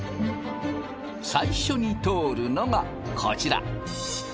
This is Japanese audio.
最初に通るのがこちら。